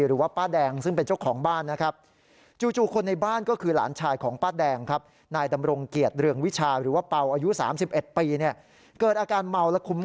หรือว่าป้าแดงซึ่งเป็นเจ้าของบ้านนะครับ